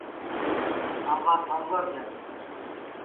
آمٻا کھاؤں گا کِیا